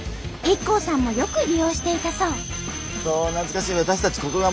ＩＫＫＯさんもよく利用していたそう。